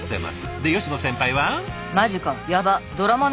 で吉野先輩は？